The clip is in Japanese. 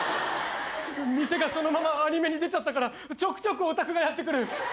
店がそのままアニメに出ちゃったからちょくちょくオタクがやって来る。